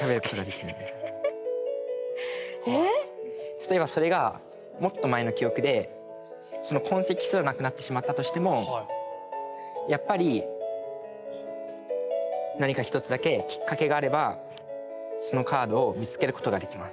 例えばそれがもっと前の記憶でその痕跡すらなくなってしまったとしてもやっぱり何か１つだけきっかけがあればそのカードを見つけることができます。